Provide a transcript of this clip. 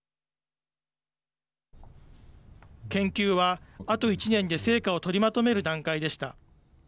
研究は、あと１年で成果を取りまとめる段階でした。